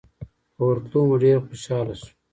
په ورتلو مو ډېر خوشاله شو.